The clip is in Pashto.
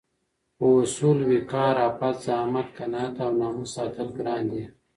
خو اصول، وقار، عفت، زحمت، قناعت او ناموس ساتل ګران دي